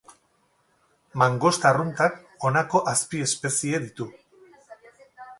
Mangosta arruntak honako azpiespezie ditu.